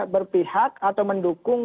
berpihak atau mendukung